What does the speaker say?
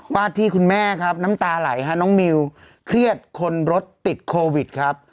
ว่าที่คุณแม่ครับน้ำตาไหลฮะน้องมิวเครียดคนรถติดโควิดครับ